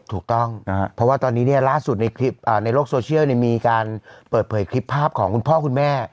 ถูกต้องนะครับเพราะว่าตอนนี้เนี่ยล่าสุดในโลกโซเชียลมีการเปิดเผยคลิปภาพของคุณพ่อคุณแม่